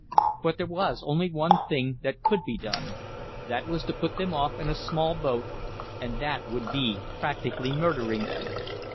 But there was only one thing that could be done; that was to put them off in a small boat, and that would be practically murdering them.